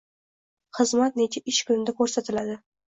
Xizmat necha ish kunida ko'rsatiladi?